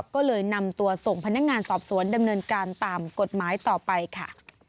ก็เลยนำตัวส่งพนักงานสอบสวนดำเนินการตามกฎหมายต่อไปค่ะ